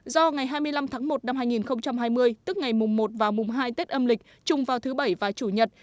do ngày hai mươi năm tháng một năm hai nghìn hai mươi tức ngày mùng một và mùng hai tết âm lịch chung vào thứ bảy và chủ nhật